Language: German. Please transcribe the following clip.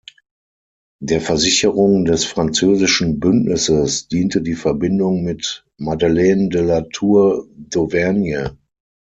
Der Versicherung des französischen Bündnisses diente die Verbindung mit Madeleine de la Tour d’Auvergne.